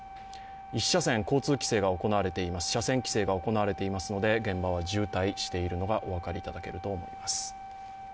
１車線交通規制が行われています、車線規制が行われていますので現場が渋滞しているのがお分かりいただけると思います。